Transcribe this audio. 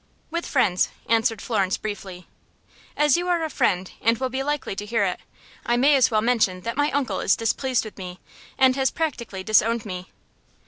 "With friends," answered Florence, briefly. "As you are a friend and will be likely to hear it, I may as well mention that my uncle is displeased with me, and has practically disowned me."